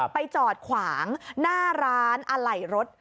ไปจอดขวางหน้าร้านอะไหล่รถ